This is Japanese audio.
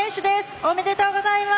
おめでとうございます。